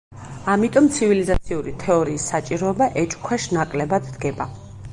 ამიტომ ცივილიზაციური თეორიის საჭიროება ეჭვქვეშ ნაკლებად დგება.